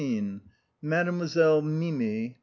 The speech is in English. MADEMOISELLE MIMI.